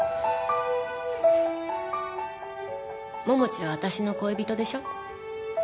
桃地は私の恋人でしょ？